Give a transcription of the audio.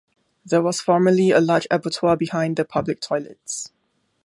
There was formerly a large abattoir behind the public toilets.